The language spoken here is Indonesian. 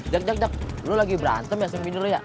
jog jog jog lo lagi berantem ya sama binir lo ya